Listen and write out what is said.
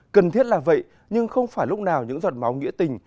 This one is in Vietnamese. cần thiết là vậy nhưng không phải lúc nào những giọt máu nghĩa tình